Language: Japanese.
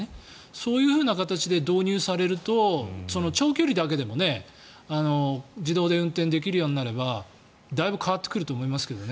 そういう形で導入されると長距離だけでも自動で運転できるようになればだいぶ変わってくると思いますけどね。